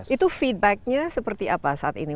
itu feedbacknya seperti apa saat ini